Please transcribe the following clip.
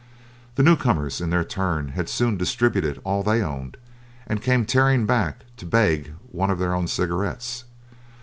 The new comers in their turn had soon distributed all they owned, and came tearing back to beg one of their own cigarettes.